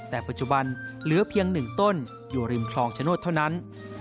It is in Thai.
แต่ปัจจุบันเหลือเพียง๑ต้นอยู่ริมคลองชโนธเท่านั้น